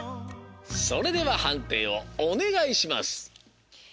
それでははんていをおねがいします！